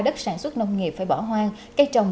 đất sản xuất nông nghiệp phải bỏ hoang cây trồng